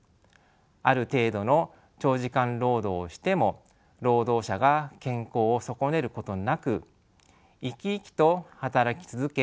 ある程度の長時間労働をしても労働者が健康を損ねることなく生き生きと働き続け